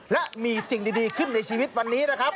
และมีสิ่งดีขึ้นในชีวิตวันนี้นะครับ